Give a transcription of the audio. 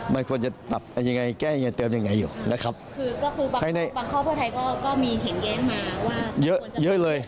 มันควรจะตับยังไงแก้ยังเติมยังไงอยู่นะครับคือก็คือบางบางครอบครัวไทยก็ก็มีเห็นแย้งมาว่า